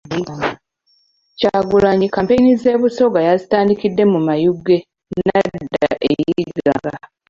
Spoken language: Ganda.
Kyagulanyi kampeyini z'e Busoga yazitandikidde mu Mayuge nadda e Iganga .